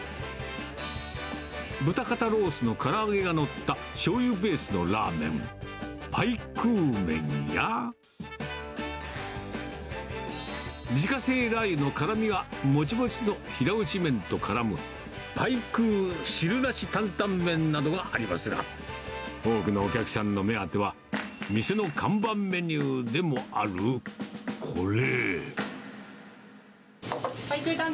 豚肩ロースのから揚げが載ったしょうゆベースのラーメン、パイクー麺や、自家製ラー油の辛みがもちもちの平打ち麺とからむパイクー汁なし担々麺などがありますが、多くのお客さんの目当ては、店の看板メニューでもあるこれ。